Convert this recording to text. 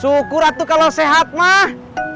syukur ratu kalau sehat mah